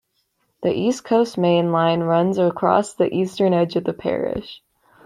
The East Coast Main Line runs across the eastern edge of the parish.